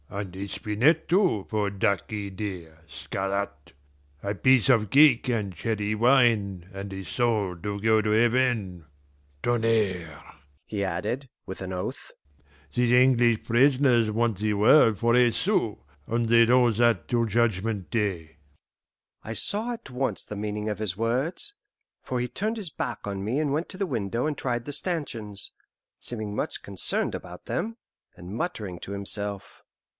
"And a spinet, too, for ducky dear, Scarrat; a piece of cake and cherry wine, and a soul to go to heaven! Tonnerre!" he added, with an oath, "these English prisoners want the world for a sou, and they'd owe that till judgment day." I saw at once the meaning of his words, for he turned his back on me and went to the window and tried the stanchions, seeming much concerned about them, and muttering to himself.